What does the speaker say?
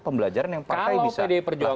pembelajaran yang partai bisa diperjuangkan